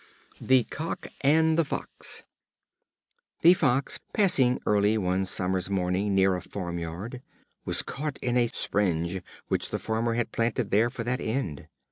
The Cock and the Fox. The Fox, passing early one summer's morning near a farm yard, was caught in a springe, which the farmer had planted there for that end.